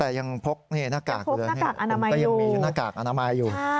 แต่ยังพกนี่นาฬิกาผมตั้งแต่ยังมีนาฬิกาอนามัยอยู่